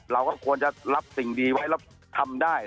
เราก็ควรจะรับสิ่งดีไว้แล้วทำได้